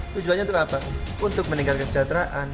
tujuannya untuk apa untuk meningkatkan kesejahteraan